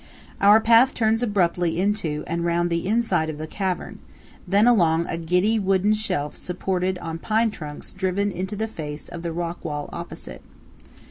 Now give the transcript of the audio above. Our path turns abruptly into and round the inside of the cavern, and then along a giddy wooden shelf supported on pine trunks driven into the face of the rock wall opposite.